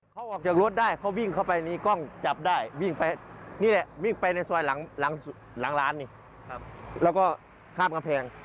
เขาออกจากรถได้เขาวิ่งเข้าไปนี่กล้องจับได้วิ่งไปนี่แหละวิ่งไปในซอยหลังร้านนี่แล้วก็ข้ามกำแพง